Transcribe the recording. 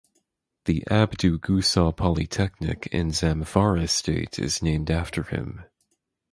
The Abdu Gusau Polytechnic in Zamfara state is named after him.